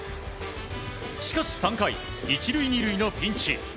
しかし３回、１塁２塁のピンチ。